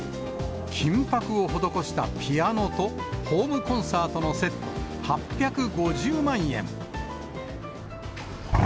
金ぱくを施したピアノとホームコンサートのセット８５０万円。